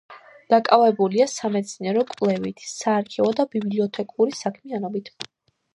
დაკავებულია სამეცნიერო-კვლევითი, საარქივო და ბიბლიოთეკური საქმიანობით.